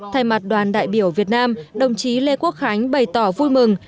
thay mặt đoàn đại biểu việt nam đồng chí lê quốc khánh bày tỏ vui mừng